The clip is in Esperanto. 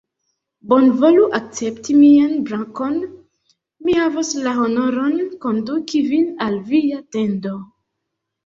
Bonvolu akcepti mian brakon: mi havos la honoron konduki vin al via tendo.